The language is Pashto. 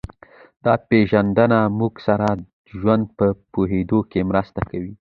دا پېژندنه موږ سره د ژوند په پوهېدو کې مرسته کوي